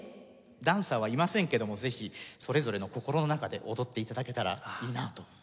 ダンサーはいませんけどもぜひそれぞれの心の中で踊って頂けたらいいなと思います。